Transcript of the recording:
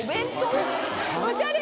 おしゃれ！